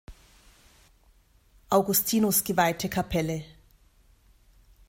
Augustinus geweihte Kapelle.